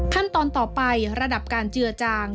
ขั้นตอนต่อไประดับการเจือจาง